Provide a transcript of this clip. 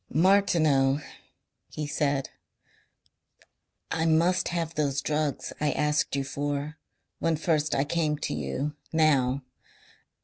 "Martineau," he said, "I must have those drugs I asked you for when first I came to you now.